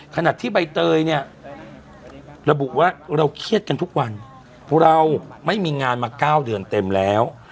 ขณะที่ใบเตยเนี่ยระบุว่าเราเครียดกันทุกวันเราไม่มีงานมา๙เดือนเต็มแล้ว